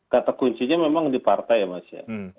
kata kuncinya memang di partai ya mas ya